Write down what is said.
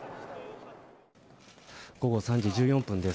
午後３時１４分です。